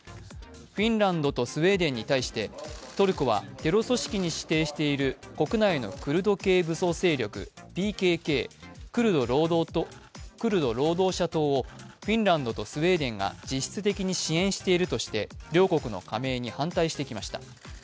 フィンランドとスウェーデンに対してトルコはテロ組織に指定している国内のクルド系武装勢力、ＰＫＫ＝クルド労働者党をフィンランドとスウェーデンが実質的に支援しているとして両国の加盟に反対してきました。